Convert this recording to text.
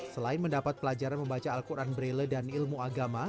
selain mendapat pelajaran membaca al quran braille dan ilmu agama